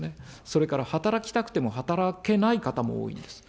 それから働きたくても働けない方も多いんです。